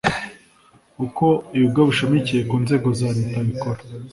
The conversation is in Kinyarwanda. uko ibigo bishamikiye ku nzego za Leta bikora